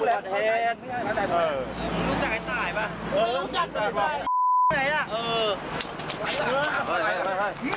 มึงรู้จักไอ้ตายเปล่า